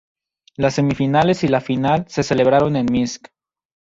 Las semifinales y la final se celebraron en Minsk.